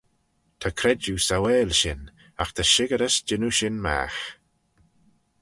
Ta credjue sauaill shin agh ta shickerys jannoo shin magh.